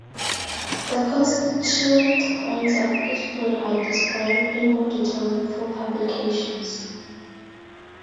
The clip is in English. The constituent points of each code are described in more detail in full publications.